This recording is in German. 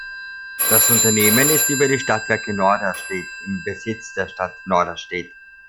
Das Unternehmen ist über die Stadtwerke Norderstedt im Besitz der Stadt Norderstedt.